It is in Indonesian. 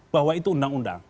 bahwa itu undang undang